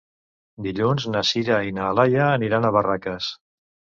Dilluns na Sira i na Laia aniran a Barraques.